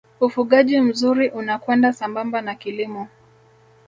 ufugaji mzuri unakwenda sambamba na kilimo